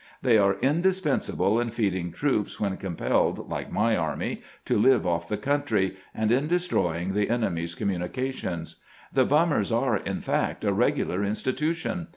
They are indispensable in feeding troops when com pelled, like my army, to live off the country, and in destroying the enemy's communications. The bummers are, in fact, a regular institution.